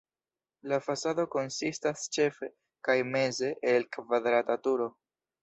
La fasado konsistas ĉefe kaj meze el kvadrata turo.